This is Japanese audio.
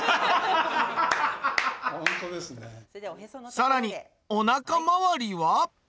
さらにおなか回りは？